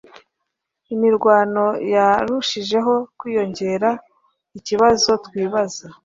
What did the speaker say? Imirwano yarushijeho kwiyongera ikibazo twibaza